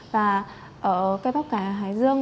và ở cây bắp cải ở hải dương